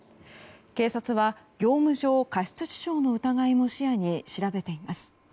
警察は業務上過失致傷の疑いも視野に調べています。